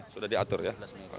sudah diatur ya